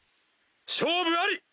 勝負あり！